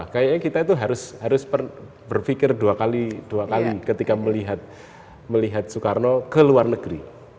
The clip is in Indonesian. kayaknya kita itu harus berpikir dua kali ketika melihat soekarno ke luar negeri